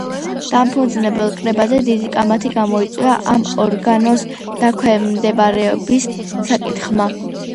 დამფუძნებელ კრებაზე დიდი კამათი გამოიწვია ამ ორგანოს დაქვემდებარების საკითხმა.